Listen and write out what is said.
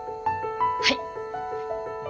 はい！